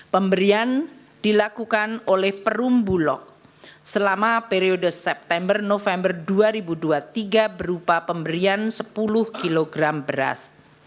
pemberian dilakukan oleh perumbulok selama periode september november dua ribu dua puluh tiga berupa pemberian sepuluh kg beras